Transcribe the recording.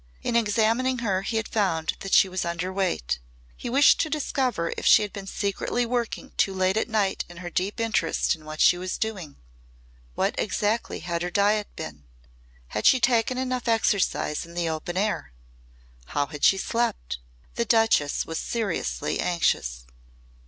In examining her he had found that she was underweight. He wished to discover if she had been secretly working too late at night in her deep interest in what she was doing. What exactly had her diet been? Had she taken enough exercise in the open air? How had she slept? The Duchess was seriously anxious.